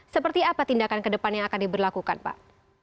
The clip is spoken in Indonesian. seperti apa tindakan ke depan yang akan diberlakukan pak